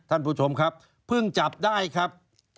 ท่านผู้ชมครับเพิ่งจับได้ครับ